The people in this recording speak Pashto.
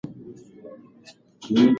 اسلام د علم لپاره ټول انسانان مساوي ګڼي.